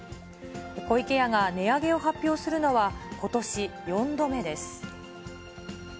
湖池屋が値上げを発表するのは、ことし４度目です。